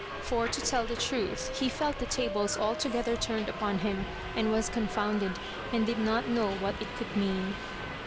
Fqr, to tell the truth, he felt the tables altogether turned upon him, and. was confounded, and did not know what it could mean.